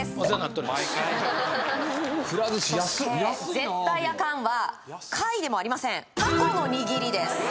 絶対アカンは貝でもありませんタコの握りです